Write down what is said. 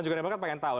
juga memang pengen tahu